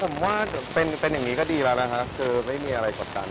คือเราคุยกันเหมือนเดิมตลอดเวลาอยู่แล้วไม่ได้มีอะไรสูงแรง